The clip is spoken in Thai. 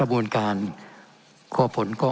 เป็นของสมาชิกสภาพภูมิแทนรัฐรนดร